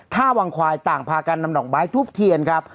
ท่าวังควายต่างพากันนำดอกไม้ทุบเทียนครับ